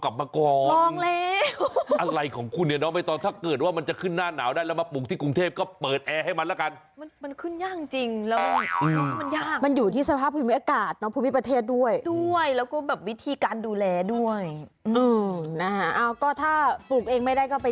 บุกยากจริง